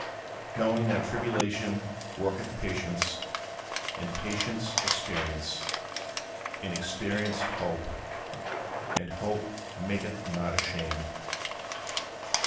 Knowing that tribulation worketh patience, and patience experience, and experience hope; and hope maketh not ashamed.